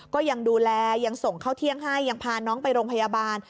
ก็ยังดูแลยังส่งเข้าเที่ยงให้ยังพาน้องไปโรงพยาบาล